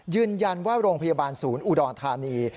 ยืนยันว่าโรงพยาบาลศูนย์อุดรธานี